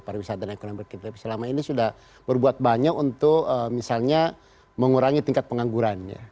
pariwisata dan ekonomi kita selama ini sudah berbuat banyak untuk misalnya mengurangi tingkat pengangguran